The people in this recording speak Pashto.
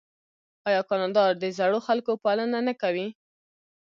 آیا کاناډا د زړو خلکو پالنه نه کوي؟